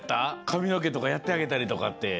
かみのけとかやってあげたりとかって。